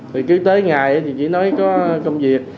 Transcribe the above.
thì cứ tới ngày thì chỉ nói có công việc